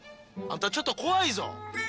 あんたちょっと怖いぞ！